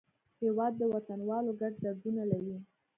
هېواد د وطنوالو ګډ دردونه لري.